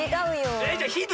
えじゃあヒント